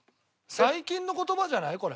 最近の言葉じゃない？